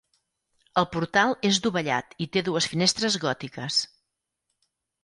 El portal és dovellat i té dues finestres gòtiques.